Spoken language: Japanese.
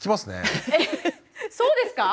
そうですか？